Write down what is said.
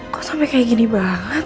kok sampai kayak gini banget